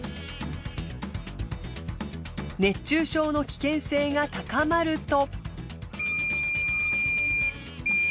熱中症の危険性が高まると。